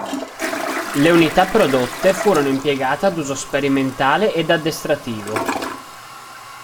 Le unità prodotte furono impiegate ad uso sperimentale ed addestrativo.